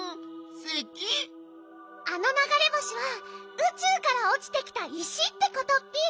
あのながれぼしはうちゅうからおちてきた石ってことッピ。